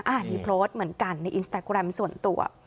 อันนี้โพสต์เหมือนกันในอินสตาแกรมส่วนตัว